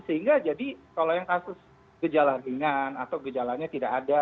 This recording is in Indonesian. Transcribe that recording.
sehingga jadi kalau yang kasus gejala ringan atau gejalanya tidak ada